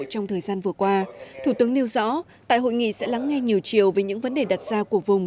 trong thời gian vừa qua thủ tướng nêu rõ tại hội nghị sẽ lắng nghe nhiều chiều về những vấn đề đặt ra của vùng